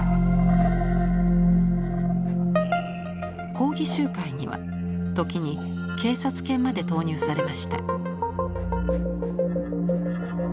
抗議集会には時に警察犬まで投入されました。